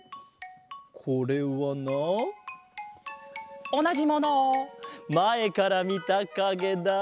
これはなおなじものをまえからみたかげだ。